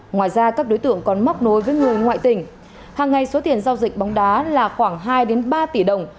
ngoài ra các đối tượng còn móc nối với người ngoại tỉnh hàng ngày số tiền giao dịch bóng đá là khoảng hai ba tỷ đồng